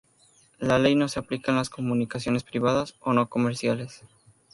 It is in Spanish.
La ley no se aplica en las comunicaciones privadas o no comerciales.